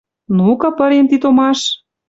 — Ну-ка, пырем ти томаш.